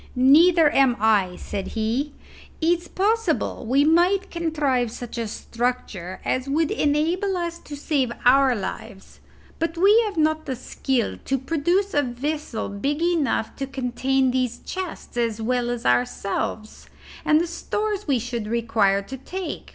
"Neither am I," said he. "It's possible we might contrive such a structure as would enable us to save our lives; but we have not the skill to produce a vessel big enough to contain those chests as well as ourselves, and the stores we should require to take.